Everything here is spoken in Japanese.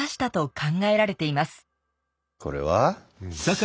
これは？